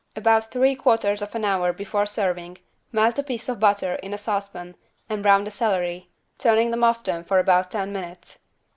About three quarters of an hour before serving, melt a piece of butter in a saucepan and brown the celery, turning them often for about ten minutes.